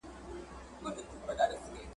ايا تعليم له جهل څخه ښه دی؟